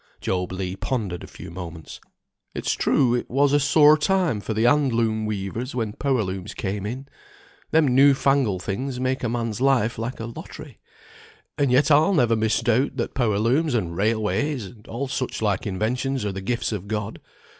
Job Legh pondered a few moments. "It's true it was a sore time for the hand loom weavers when power looms came in: them new fangled things make a man's life like a lottery; and yet I'll never misdoubt that power looms, and railways, and all such like inventions, are the gifts of God.